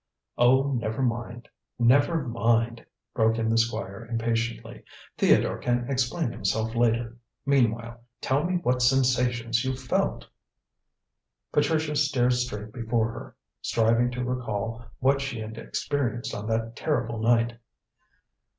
"Oh, never mind; never mind," broke in the Squire impatiently. "Theodore can explain himself later. Meanwhile tell me what sensations you felt?" Patricia stared straight before her, striving to recall what she had experienced on that terrible night.